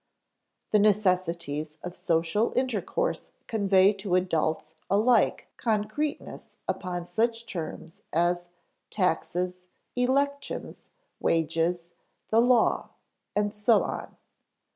The necessities of social intercourse convey to adults a like concreteness upon such terms as taxes, elections, wages, the law, and so on.